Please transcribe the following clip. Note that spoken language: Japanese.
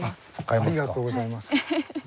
ありがとうございます。